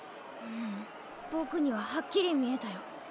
ううん僕にははっきり見えたよ。